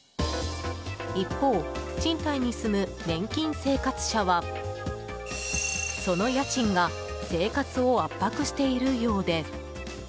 一方、賃貸に住む年金生活者はその家賃が生活を圧迫しているようで。